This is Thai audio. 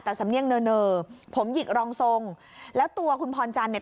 แต่สำเนียงเนอผมหยิกรองทรงแล้วตัวคุณพรจันเนี่ย